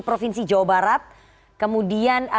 provinsi jawa barat kemudian